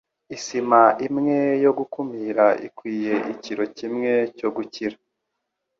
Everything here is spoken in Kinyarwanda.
Isima imwe yo gukumira ikwiye ikiro kimwe cyo gukira.